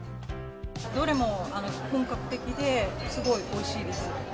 どれも本格的で、すごいおいしいです。